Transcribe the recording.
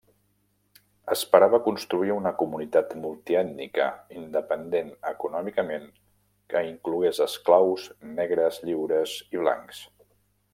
Esperava construir una comunitat multiètnica, independent econòmicament, que inclogués esclaus, negres lliures i blancs.